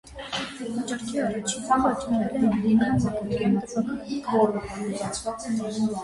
Վաճառքի առաջին օրը վաճառվել է ավելի քան մեկ միլիոն տպաքանակ։